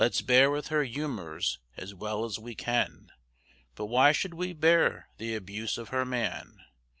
Let's bear with her humors as well as we can; But why should we bear the abuse of her man?